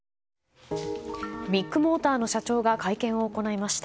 ビッグモーターの社長が会見を行いました。